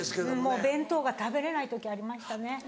もう弁当が食べれない時ありましたね。